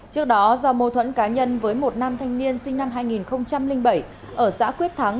trước đó do mâu thuẫn cá nhân với một nam thanh niên sinh năm hai nghìn bảy ở xã quyết thắng